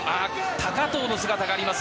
高藤の姿があります。